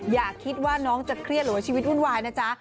อย่าคิดว่าน้องจะเครียดหรือว่าชีวิตวุ่นวายนะจ๊ะ